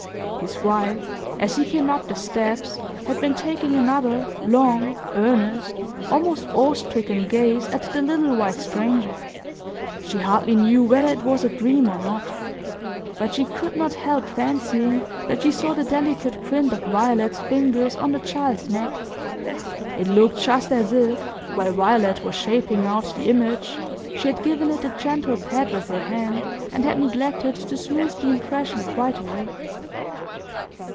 His wife, as he came up the steps, had been taking another long, earnest, almost awe stricken gaze at the little white stranger. She hardly knew whether it was a dream or no; but she could not help fancying that she saw the delicate print of Violet's fingers on the child's neck. It looked just as if, while Violet was shaping out the image, she had given it a gentle pat with her hand, and had neglected to smooth the impression quite away.